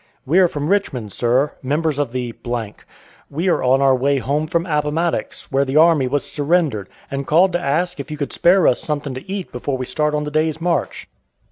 "We are from Richmond, sir, members of the . We are on our way home from Appomattox, where the army was surrendered, and called to ask if you could spare us something to eat before we start on the day's march."